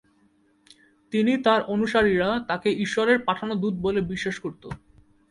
তিনি তার অনুসারীরা তাকে ঈশ্বরের পাঠানো দূত বলে বিশ্বাস করত।